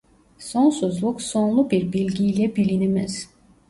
Sonsuzluk sonlu bir bilgiyle bilinemez.